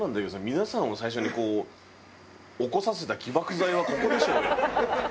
皆さんを最初にこう起こさせた起爆剤はここでしょうよ？